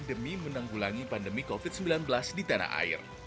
demi menanggulangi pandemi covid sembilan belas di tanah air